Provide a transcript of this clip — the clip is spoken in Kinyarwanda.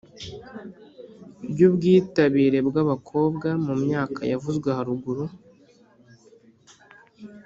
Ry ubwitabire bw abakobwa mu myaka yavuzwe haruguru